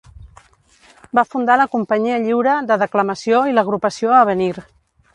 Va fundar la Companyia Lliure de Declamació i l'Agrupació Avenir.